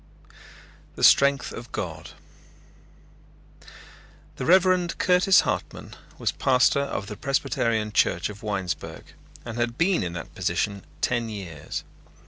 THE STRENGTH OF GOD The Reverend Curtis Hartman was pastor of the Presbyterian Church of Winesburg, and had been in that position ten years.